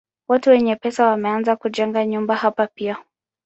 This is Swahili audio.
Watu wenye pesa wameanza kujenga nyumba hapa pia.